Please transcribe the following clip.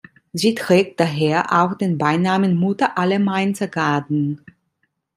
Sie trägt daher auch den Beinamen „Mutter aller Mainzer Garden“.